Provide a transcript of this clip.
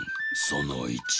その１。